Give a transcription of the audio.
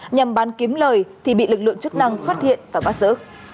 nhằm bán kiếm lời thì bị lực lượng chức năng phát hiện và bắt giữ